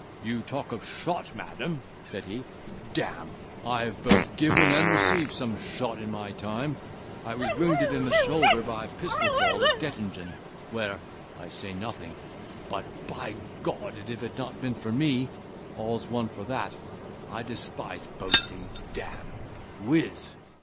"You talk of shot, madam," said he; "d—me! I have both given and received some shot in my time—I was wounded in the shoulder by a pistol ball at Dettingen, where—I say nothing—but by G—d! if it had not been for me—all's one for that—I despise boasting, d—me! whiz!"